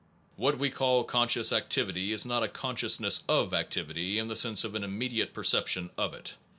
What we call conscious activity is not a consciousness of activity in the sense of an immediate perception of it.